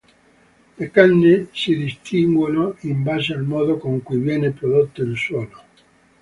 Le canne si distinguono in base al modo con cui viene prodotto il suono.